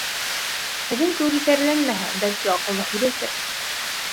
Һеҙҙең кеүек иҫәрләнмәһә, бәлки, аҡыллы һүҙ әйтер.